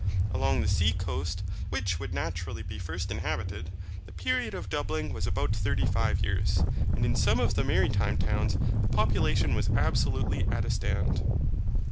Along the sea coast, which would naturally be first inhabited, the period of doubling was about thirty five years; and in some of the maritime towns, the population was absolutely at a stand.